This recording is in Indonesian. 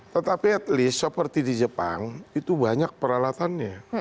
tetapi at least seperti di jepang itu banyak peralatannya